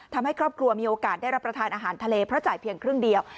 ทำให้ครอบครัวมีโอกาสได้รับประทานอาหารทะเลเพราะจ่ายเพียงครึ่งเดียว